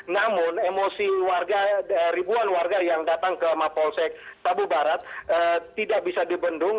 namun emosi warga ribuan warga yang datang ke mapolsek sabu barat tidak bisa dibendung